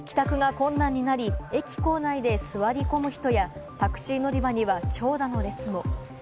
帰宅が困難になり、駅構内で座り込む人や、タクシー乗り場には長蛇の列も。